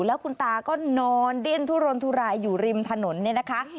แล้วคุณตาก็นอนดิ้นทุรนทุรายอยู่ริมถนนเนี่ยนะคะ